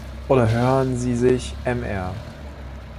Oder hören Sie sich Mr.